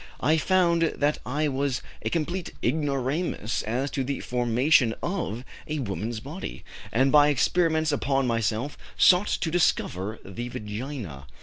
I found that I was a complete ignoramus as to the formation of a woman's body, and by experiments upon myself sought to discover the vagina.